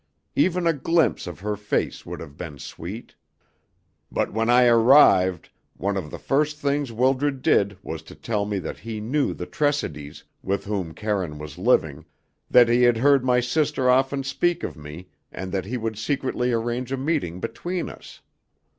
Even a glimpse of her face would have been sweet. "But when I arrived one of the first things Wildred did was to tell me that he knew the Tressidys, with whom Karine was living, that he had heard my sister often speak of me, and that he would secretly arrange a meeting between us.